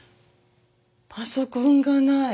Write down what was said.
パソコンがない。